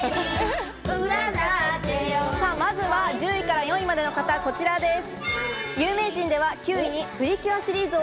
まずは１０位から４位までの方、こちらです。